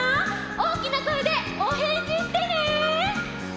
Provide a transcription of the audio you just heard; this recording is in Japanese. おおきなこえでおへんじしてね！